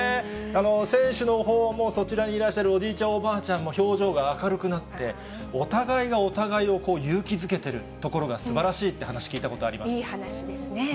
選手のほうも、そちらにいらっしゃるおじいちゃん、おばあちゃんの表情が明るくなって、お互いがお互いを勇気づけてるところがすばらしいって話、聞いたいい話ですね。